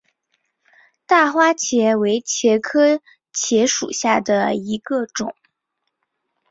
大花茄为茄科茄属下的一个种。